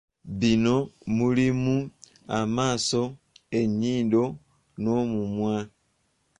Bino mulimu amaaso, ennyindo n’omumwa.